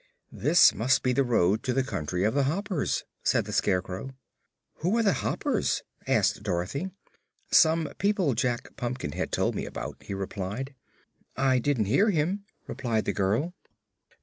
"This must be the road to the Country of the Hoppers," said the Scarecrow. "Who are the Hoppers?" asked Dorothy. "Some people Jack Pumpkinhead told me about," he replied. "I didn't hear him," replied the girl.